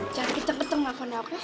jangan keceg keceg gak kondek aku ya